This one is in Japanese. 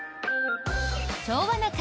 「昭和な会」。